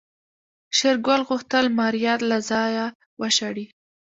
شېرګل غوښتل ماريا له ځايه وشړي.